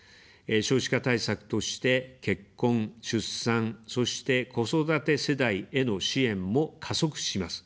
少子化対策として、結婚・出産、そして子育て世代への支援も加速します。